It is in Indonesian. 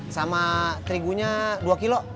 sama terigunya dua kilo